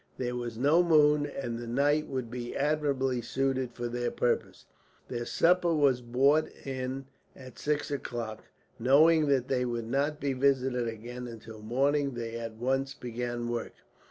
There was no moon, and the night would be admirably suited for their purpose. Their supper was brought in at six o'clock. Knowing that they would not be visited again until the morning, they at once began work.